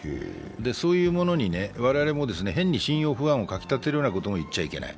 そういうものに我々も変に信用不安をかき立てるようなことを言っちゃいけない。